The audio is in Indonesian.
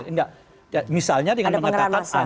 nggak misalnya dengan mengatakan ada penggeran masjid